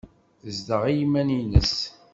Tezdeɣ i yiman-nnes.